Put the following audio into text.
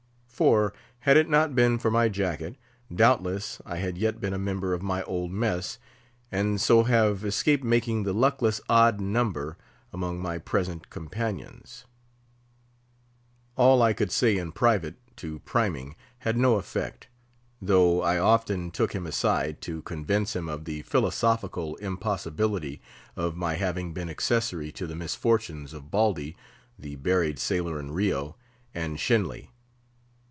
For, had it not been for my jacket, doubtless, I had yet been a member of my old mess, and so have escaped making the luckless odd number among my present companions. All I could say in private to Priming had no effect; though I often took him aside, to convince him of the philosophical impossibility of my having been accessary to the misfortunes of Baldy, the buried sailor in Rio, and Shenly.